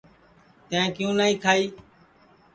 تیں کیوں نائی کھائی